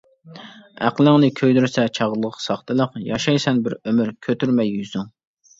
ئەقلىڭنى كۆيدۈرسە چاغلىق ساختىلىق، ياشايسەن بىر ئۆمۈر كۆتۈرمەي يۈزۈڭ.